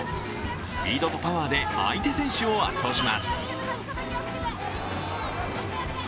スピードとパワーで相手選手を圧倒します。